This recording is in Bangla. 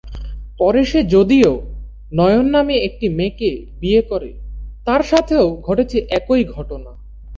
পরে সে যদিও নয়ন নামে একটি মেয়েকে বিয়ে করে, তার সাথেও ঘটেছে একই ঘটনা।